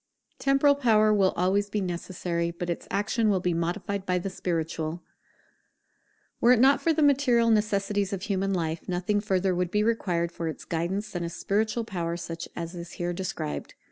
[Temporal power will always be necessary, but its action will be modified by the spiritual] Were it not for the material necessities of human life, nothing further would be required for its guidance than a spiritual power such as is here described.